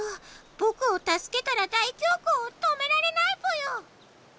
ぼくをたすけたら大凶光を止められないぽよ！